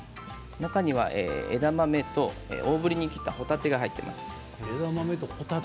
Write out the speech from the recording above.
中には枝豆と、大ぶりに切ったほたてが入っています。